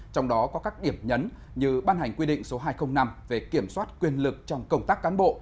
trong đó có các điểm nhấn như ban hành quy định số hai trăm linh năm về kiểm soát quyền lực trong công tác cán bộ